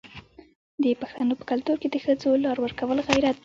د پښتنو په کلتور کې د ښځو لار ورکول غیرت دی.